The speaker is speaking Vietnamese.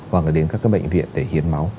hoặc là đến các cái bệnh viện để hiến máu